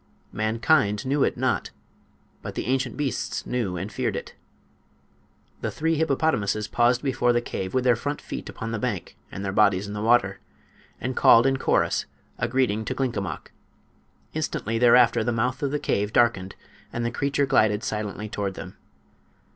Mankind knew it not, but the ancient beasts knew and feared it. The three hippopotamuses paused before the cave, with their front feet upon the bank and their bodies in the water, and called in chorus a greeting to Glinkomok. Instantly thereafter the mouth of the cave darkened and the creature glided silently toward them.